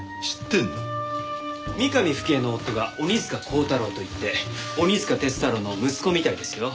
三上冨貴江の夫が鬼束鋼太郎といって鬼束鐵太郎の息子みたいですよ。